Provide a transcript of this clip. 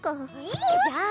いいじゃん！